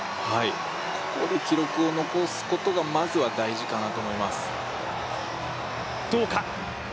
ここで記録を残すことが、まずは大事かなと思います。